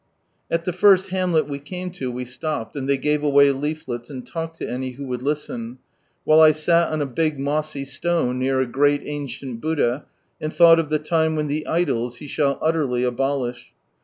At the first hamlet we came to we stopped, and they gave away leaflets and talked to any who would listen, while I sat on a big mossy stone near a greaB ancient Buddha, and thought of the time when the idols He shall utterly abolish.